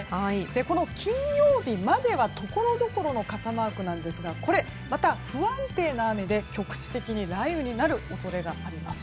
この金曜日まではところどころの傘マークなんですがまた不安定な雨で局地的に雷雨になる恐れがあります。